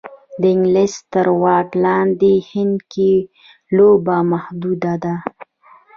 د انګلیس تر واک لاندې هند کې لوبه محدوده ده.